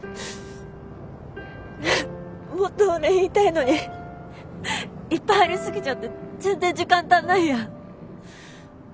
もっとお礼言いたいのにいっぱいありすぎちゃって全然時間足んないや。